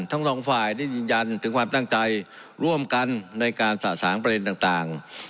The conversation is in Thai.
ทั้งสองฝ่ายได้ยืนยันถึงความตั้งใจร่วมกันในการสะสางประเด็นต่าง